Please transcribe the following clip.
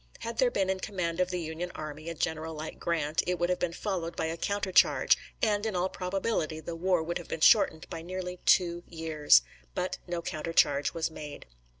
Had there been in command of the Union army a general like Grant, it would have been followed by a counter charge, and in all probability the war would have been shortened by nearly two years; but no countercharge was made.